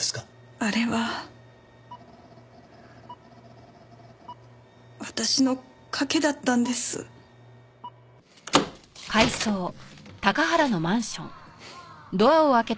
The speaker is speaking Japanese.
あれは私の賭けだったんです。